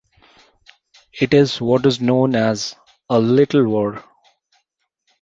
It is what is known as a “little war.”